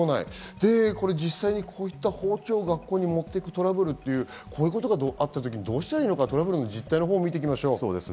で、これ実際にこういった包丁を学校に持って行くトラブルというのがあった時、どうしたらいいのか、トラブルの実態を見ていきましょう。